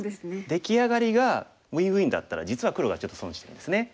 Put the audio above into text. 出来上がりがウインウインだったら実は黒がちょっと損してるんですね。